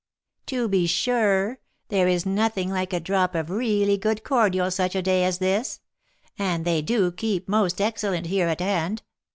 "To be sure! There is nothing like a drop of really good cordial such a day as this; and they do keep most excellent here at hand.